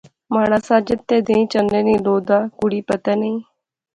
مہاڑا ساجد تہ دیئں چنے نی لو دا، کڑی پتہ نئیں؟